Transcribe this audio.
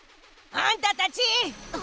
あんたたち！